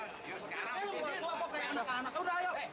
sekarang kok kok kayak anak anak